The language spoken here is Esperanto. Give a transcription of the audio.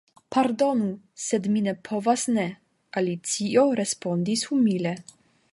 "Pardonu, sed mi ne povas ne," Alicio respondis humile.